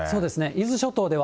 伊豆諸島では、